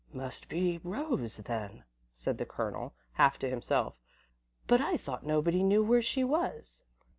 "Must be Rose, then," said the Colonel, half to himself, "but I thought nobody knew where she was."